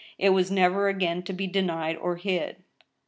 It was never again to be denied or hid!